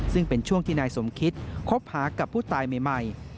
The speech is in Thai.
ซึ่งเป็นช่วงที่นายสมคิตคบหากับผู้ตายใหม่